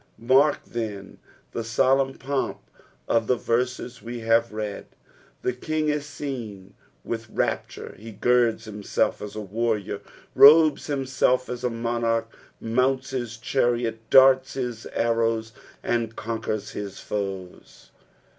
Mark, then, the solemn pomp of the verses we have read. The Kinc ie seen with rapture, he girde himself as a warrior, robes him self as a loonarcn, mounts his chariot, darts his arrows, and conquers his foes.